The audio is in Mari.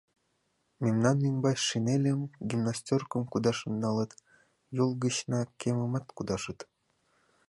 Мемнан ӱмбач шинельым, гимнастёркым кудашын налыт, йол гычна кемымат кудашыт.